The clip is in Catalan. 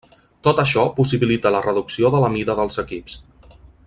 Tot això possibilita la reducció de la mida dels equips.